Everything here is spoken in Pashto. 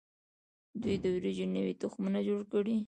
دوی د وریجو نوي تخمونه جوړ کړي.